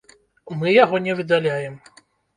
Мы яго не выдаляем.